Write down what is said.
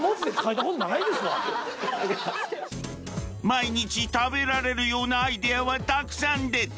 毎日食べられるようなアイデアはたくさん出た。